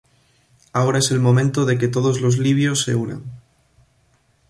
Ahora es el momento de que todos los libios se unan.